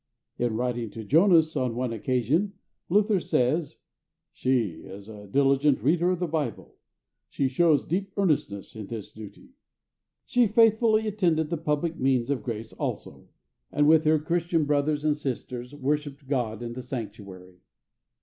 In writing to Jonas on one occasion, Luther says, "She is a diligent reader of the Bible; she shows deep earnestness in this duty." She faithfully attended the public means of grace also, and with her Christian brothers and sisters worshipped God in the sanctuary.